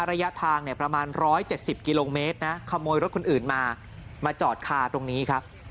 ระยะทางประมาณ๑๗๐กิโลเมตรนะขโมยรถคนอื่นมามาจอดคาตรงนี้ครับ